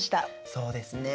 そうですね。